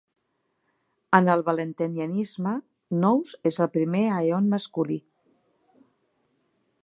En el Valentinianisme, Nous és el primer Aeon masculí.